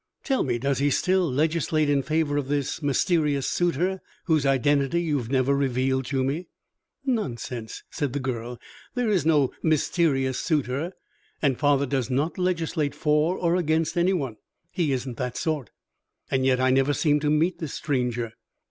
"Tell me, does he still legislate in favor of this mysterious suitor whose identity you have never revealed to me?" "Nonsense!" said the girl. "There is no mysterious suitor, and father does not legislate for or against any one. He isn't that sort." "And yet I never seem to meet this stranger."